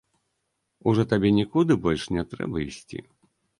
Ужо табе нікуды больш не трэба ісці?